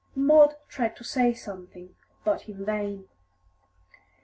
Maud tried to say something, but in vain.